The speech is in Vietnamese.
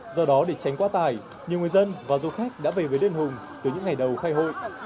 do đó để tránh quá tải nhiều người dân và du khách đã về với đền hùng từ những ngày đầu khai hội